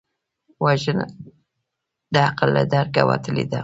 وژنه د عقل له درکه وتلې ده